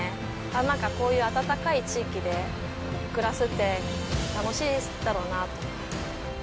なんかこういう温かい地域で暮らすって楽しいだろうなと思って。